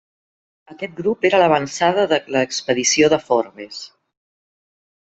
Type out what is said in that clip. Aquest grup era l'avançada de l'expedició de Forbes.